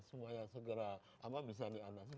semua yang segera bisa diandalkan